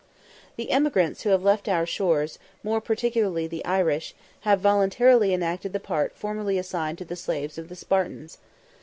The emigrants who have left our shores, more particularly the Irish, have voluntarily enacted the part formerly assigned to the slaves of the Spartans.